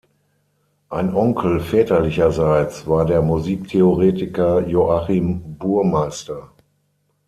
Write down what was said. Ein Onkel väterlicherseits war der Musiktheoretiker Joachim Burmeister.